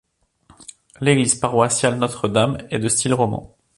L'église paroissiale Notre-Dame est de style roman.